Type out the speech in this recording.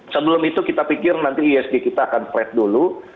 sebelum itu kita pikir nanti isg kita akan flat dulu